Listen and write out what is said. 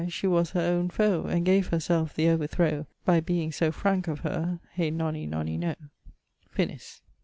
she was her owne foe And gave her selfe the overthrowe By being so franke of her Hye nonny nonny noe. Finis.